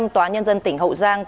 tòa nhân dân tỉnh hậu giang